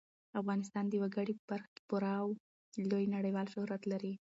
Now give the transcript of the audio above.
افغانستان د وګړي په برخه کې پوره او لوی نړیوال شهرت لري.